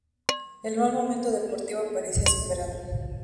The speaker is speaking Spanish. El mal momento deportivo parecía superado.